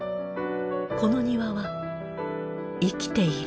この庭は生きている。